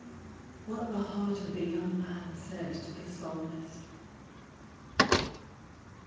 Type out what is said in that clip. ■WHAT THE HEART OF THE YOUNG MAN SAID TO THE PSALMIST.